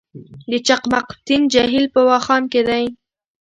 د چقمقتین جهیل په واخان کې دی